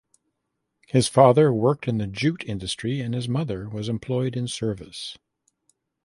His father worked in the jute industry and his mother was employed in service.